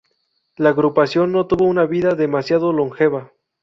La agrupación no tuvo una vida demasiado longeva.